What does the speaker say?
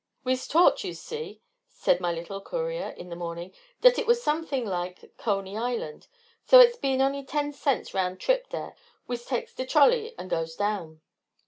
"Wese taught, yuse see," said my little courier, in the morning, "dat it was something like Coney Island; so it's bein' only ten cents round trip dare, wese takes de trolley an' goes down.